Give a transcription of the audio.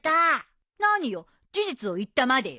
何よ事実を言ったまでよ。